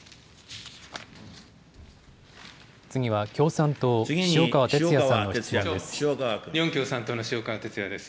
次は共産党、塩川鉄也さんの質問です。